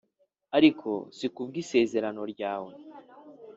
ariko si ku bw’isezerano ryawe